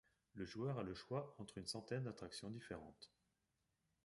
Le joueur a le choix entre une centaine d'attractions différentes.